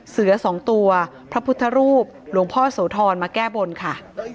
สองตัวพระพุทธรูปหลวงพ่อโสธรมาแก้บนค่ะ